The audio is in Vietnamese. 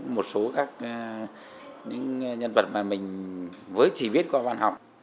một số các nhân vật mà mình với chỉ viết qua văn học